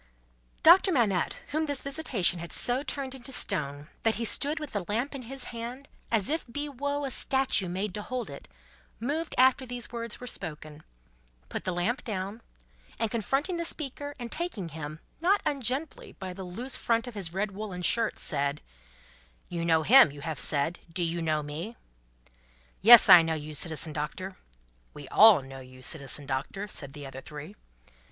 Doctor Manette, whom this visitation had so turned into stone, that he stood with the lamp in his hand, as if he were a statue made to hold it, moved after these words were spoken, put the lamp down, and confronting the speaker, and taking him, not ungently, by the loose front of his red woollen shirt, said: "You know him, you have said. Do you know me?" "Yes, I know you, Citizen Doctor." "We all know you, Citizen Doctor," said the other three.